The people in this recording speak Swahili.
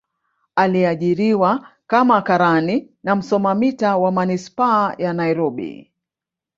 aliajiriwa kama karani na msoma mita wa manispaa ya nairobi